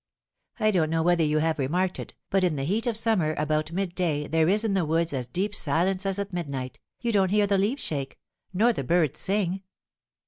I don't know whether you have remarked it, but in the heat of summer about midday there is in the woods as deep silence as at midnight, you don't hear the leaves shake, nor the birds sing."